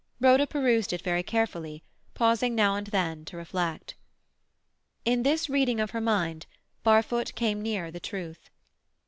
Rhoda perused it very carefully, pausing now and then to reflect. In this reading of her mind, Barfoot came near the truth.